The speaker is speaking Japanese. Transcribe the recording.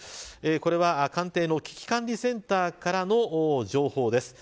これは官邸の危機管理センターからの情報です。